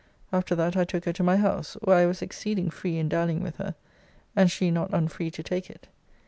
After that I took her to my house, where I was exceeding free in dallying with her, and she not unfree to take it.